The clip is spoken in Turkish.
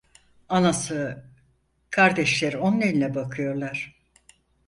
Anası, kardeşleri onun eline bakıyorlar.